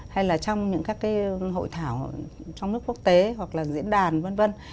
hay là trong những các cái hội thảo trong nước quốc tế hoặc là diễn đàn vân vân